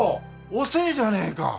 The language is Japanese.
遅えじゃねえか。